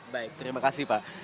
baik terima kasih pak